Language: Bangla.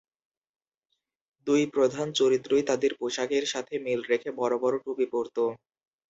দুই প্রধান চরিত্রই তাদের পোশাকের সাথে মিল রেখে বড় বড় টুপি পরত।